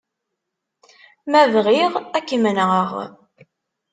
Ma bɣiɣ, ad kem-nɣen.